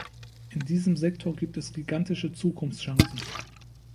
In diesem Sektor gibt es gigantische Zukunftschancen.